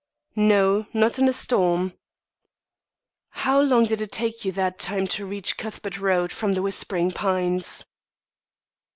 "No, not in a storm." "How long did it take you that time to reach Cuthbert Road from The Whispering Pines?"